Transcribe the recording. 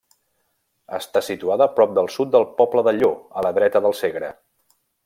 Està situada a prop al sud del poble de Llo, a la dreta del Segre.